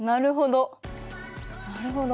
なるほど。